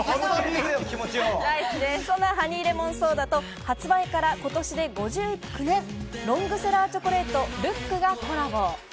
そんな『ハニーレモンソーダ』と発売から今年で５９年、ロングセラーチョコレート、ＬＯＯＫがコラボ。